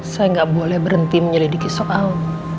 saya nggak boleh berhenti menyelidiki soal